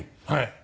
はい。